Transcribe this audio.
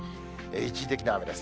一時的な雨です。